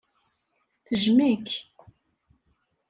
Tejjem-ik.